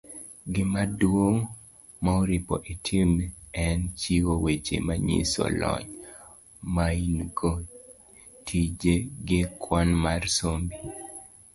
Gimaduong ' maoripo itim en chiwo weche manyiso lony maingo, tiji, gi kwan mar sombi.